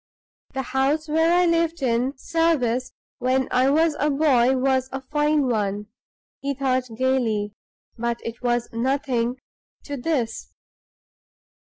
"The house where I lived in service when I was a boy, was a fine one," he thought, gayly; "but it was nothing to this!